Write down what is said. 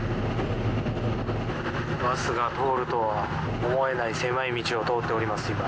バスが通るとは思えない狭い道を通っております